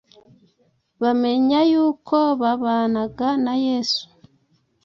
bamenya yuko babanaga na Yesu.”